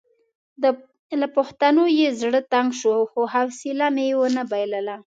له پوښتنو یې زړه تنګ شو خو حوصله مې ونه بایلله.